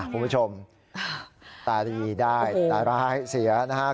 ค่ะคุณผู้ชมตาดีได้ตาร้ายเสียนะฮะ